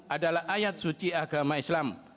adalah ayat suci agama islam